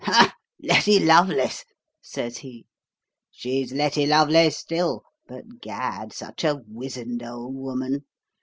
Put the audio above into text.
'Letty Lovelace!' says he. 'She's Letty Lovelace still; but Gad, such a wizened old woman!